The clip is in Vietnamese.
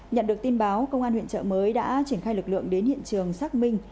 nhận được tin báo công an huyện trợ mới đã triển khai lực lượng đến hiện trường xác minh